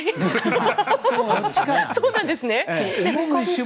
そうなんですね。